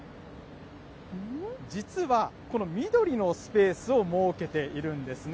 実はこの緑のスペースを設けているんですね。